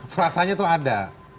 frasanya itu ada